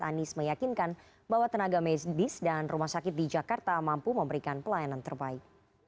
anies meyakinkan bahwa tenaga medis dan rumah sakit di jakarta mampu memberikan pelayanan terbaik